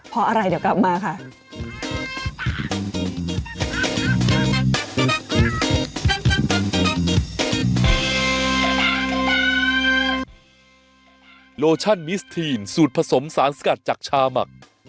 เพราะอะไรเดี๋ยวกลับมาค่ะ